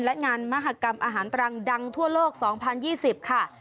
และงานมหากรรมอาหารตรังดังทั่วโลก๒๐๒๐ค่ะ